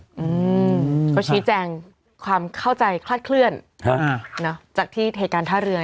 อืมก็ชี้แจงความเข้าใจคลาดเคลื่อนจากที่เทการท่าเรือ